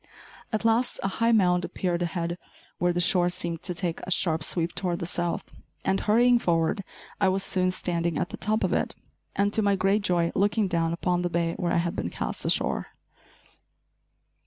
At last a high mound appeared ahead where the shore seemed to take a sharp sweep toward the south, and, hurrying forward, I was soon standing at the top of it and, to my great joy, looking down upon the bay where I had been cast ashore.